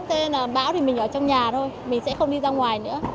thế nên là bão thì mình ở trong nhà thôi mình sẽ không đi ra ngoài nữa